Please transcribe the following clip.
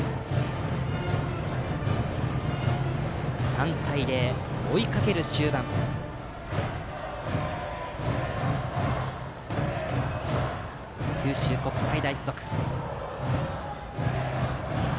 ３対０と追いかける終盤、九州国際大付属。